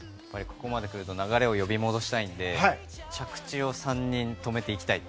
ここまで来ると流れを呼び戻したいので着地を３人とも止めていきたい。